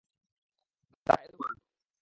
তারা এরূপ করল।